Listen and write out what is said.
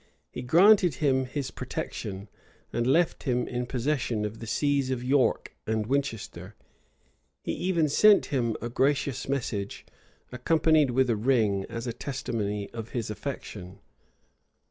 He granted him his protection, and left him in possession of the sees of York and Winchester. He even sent him a gracious message, accompanied with a ring, as a testimony of his affection.